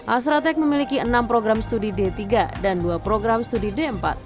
asratech memiliki enam program studi d tiga dan dua program studi d empat